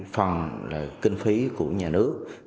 phần là kinh phí của nhà nước